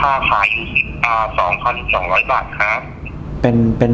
แล้วมีผลข้างเคียงอันตรายไหมบ้าง